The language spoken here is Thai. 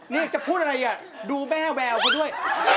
นี่จะพูดอะไรอ่ะดูแม่แววเขาด้วย